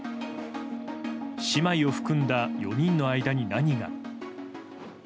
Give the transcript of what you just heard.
姉妹を含んだ４人の間に何が。